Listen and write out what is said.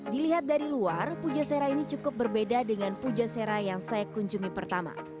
dilihat dari luar pujaserah ini cukup berbeda dengan pujaserah yang saya kunjungi pertama